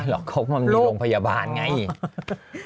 ไม่หรอกเขามีโรงพยาบาลไงจบ